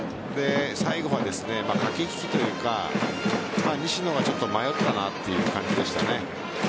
最後は駆け引きというか西野がちょっと迷ったなという感じでしたね。